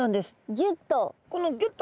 ギュッと。